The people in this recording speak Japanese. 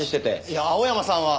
いや青山さんは。